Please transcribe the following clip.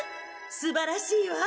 すばらしいわ！